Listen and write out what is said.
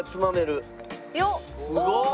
すごーい！